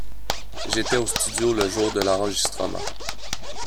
J’étais au studio le jour de l’enregistrement.